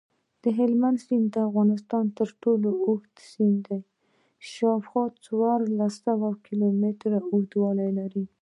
دهلمند سیند دافغانستان ترټولو اوږد سیند دی شاوخوا څوارلس سوه کیلومتره اوږدوالۍ لري.